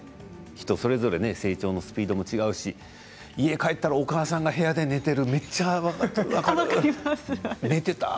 一人一人で成長のスピードも違うし家に帰ったら、お母さんが部屋で寝てるのめっちゃ腹立つ。